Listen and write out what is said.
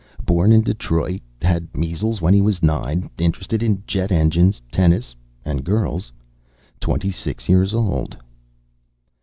Born in Detroit. Had measles when he was nine. Interested in jet engines, tennis, and girls. Twenty six years old.